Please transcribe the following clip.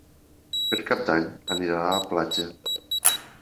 Per Cap d'Any anirà a la platja.